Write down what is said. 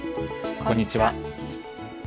こんにちは。